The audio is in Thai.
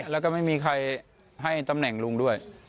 แล้วก็ไม่มีใครให้ตำแหน่งลุงด้วย